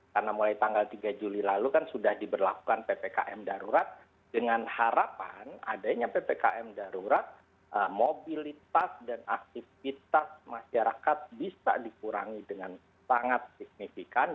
karena mulai tanggal tiga juli lalu kan sudah diberlakukan ppkm darurat dengan harapan adanya ppkm darurat mobilitas dan aktivitas masyarakat bisa dikurangi dengan sangat signifikan